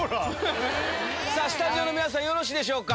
スタジオの皆さんよろしいでしょうか。